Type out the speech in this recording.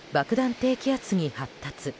低気圧に発達。